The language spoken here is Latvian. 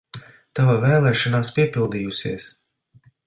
Tava vēlēšanās piepildījusies!